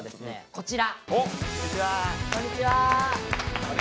こちら。